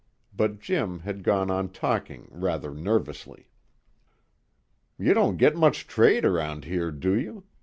But Jim had gone on talking rather nervously. "You don't get much trade around here, do you?